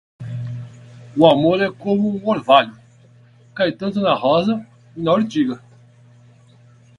O amor é como um orvalho; cai tanto na rosa e na urtiga.